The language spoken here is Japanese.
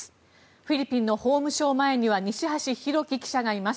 フィリピンの法務省前には西橋拓輝記者がいます。